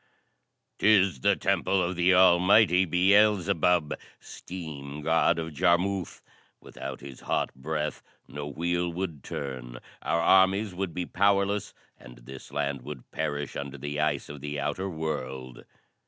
"'Tis the temple of the almighty Beelzebub, Steam God of Jarmuth. Without his hot breath no wheel would turn, our armies would be powerless and this land would perish under the ice of the outer world."